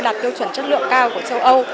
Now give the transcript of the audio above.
đạt tiêu chuẩn chất lượng cao của châu âu